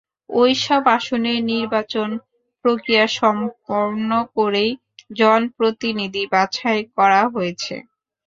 ওই সব আসনে নির্বাচন প্রক্রিয়া সম্পন্ন করেই জনপ্রতিনিধি বাছাই করা হয়েছে।